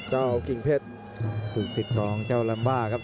เจ้ากิ่งเพชรทุกสิบกองจ้าวลำบ้าครับ